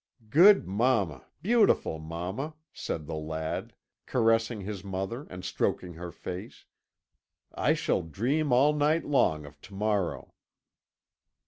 "Good mamma! beautiful mamma!' said the lad, caressing his mother and stroking her face. 'I shall dream all night long of to morrow!'